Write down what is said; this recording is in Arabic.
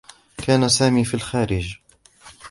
كان سامي في الخارج.